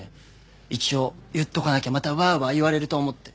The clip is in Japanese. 一応言っとかなきゃまたワーワー言われると思って。